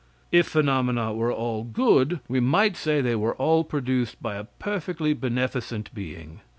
If phenomena were all good, we might say they were all produced by a perfectly beneficent being.